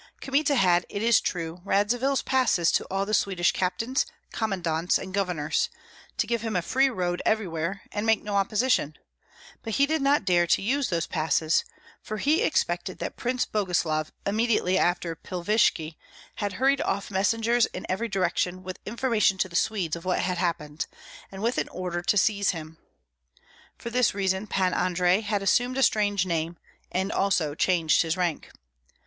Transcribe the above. Kmita had, it is true, Radzivill's passes to all the Swedish captains, commandants, and governors, to give him a free road everywhere, and make no opposition, but he did not dare to use those passes; for he expected that Prince Boguslav, immediately after Pilvishki, had hurried off messengers in every direction with information to the Swedes of what had happened, and with an order to seize him. For this reason Pan Andrei had assumed a strange name, and also changed his rank.